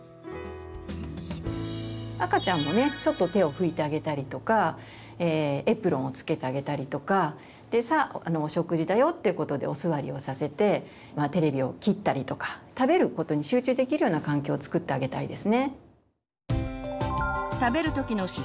赤ちゃんもねちょっと手を拭いてあげたりとかエプロンをつけてあげたりとか「さあお食事だよ」っていうことでお座りをさせてテレビを切ったりとか食べることに集中できるような環境をつくってあげたいですね。